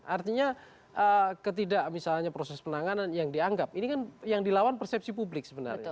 artinya ketidak misalnya proses penanganan yang dianggap ini kan yang dilawan persepsi publik sebenarnya